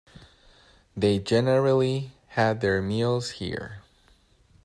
They generally had their meals here.